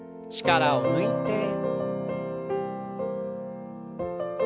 力を抜いて。